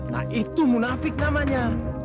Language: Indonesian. nah itu munafik namanya